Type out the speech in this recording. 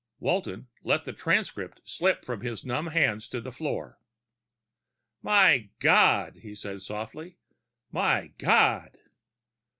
_ Walton let the transcript slip from his numb hands to the floor. "My God," he said softly. "My God!"